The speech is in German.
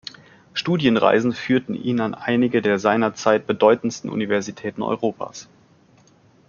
Studienreisen führten ihn an einige der seinerzeit bedeutendsten Universitäten Europas.